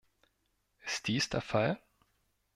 Ist dies der Fall?